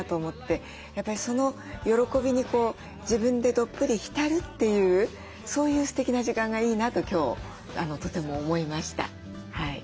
やっぱりその喜びに自分でどっぷり浸るっていうそういうすてきな時間がいいなと今日とても思いました。